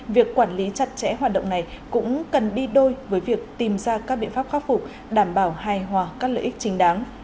việc quản lý chặt chẽ hoạt động này cũng cần đi đôi với việc tìm ra các biện pháp khắc phục đảm bảo hài hòa các lợi ích chính đáng